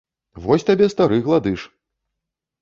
Вось табе стары гладыш!